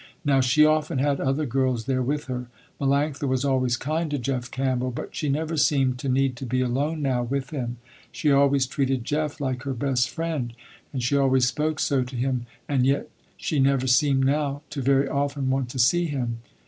Now she often had other girls there with her. Melanctha was always kind to Jeff Campbell but she never seemed to need to be alone now with him. She always treated Jeff, like her best friend, and she always spoke so to him and yet she never seemed now to very often want to see him.